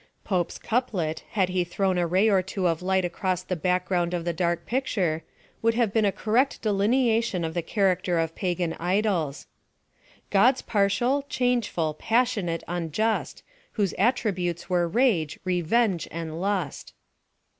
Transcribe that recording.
Popes couplet, had he thrown a ray or two of light across the back ground of the dark picture, would have been a correct delineation of the character of Pagan idols — Gods partial, changeful, passionate, unjust ; Whose attributes were rage, revenge and lust.